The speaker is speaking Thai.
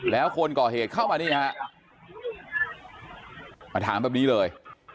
แล้วคนก่อเหตุเข้ามานี่ฮะมาถามแบบนี้เลย